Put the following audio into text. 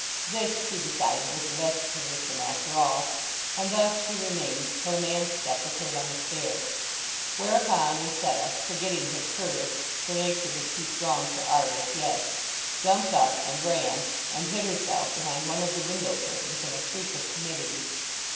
This, she decided, was the best position after all, and thus she remained till a man's step was heard on the stairs. Whereupon Lucetta, forgetting her curve (for Nature was too strong for Art as yet), jumped up and ran and hid herself behind one of the window curtains in a freak of timidity.